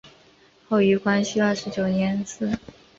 后于光绪二十九年祠。